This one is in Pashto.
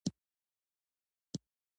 د ذهنونو او خوبونو پر کوڅو راتیریدمه